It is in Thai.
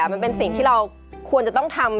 มันเป็นสิ่งที่เราควรจะต้องทำ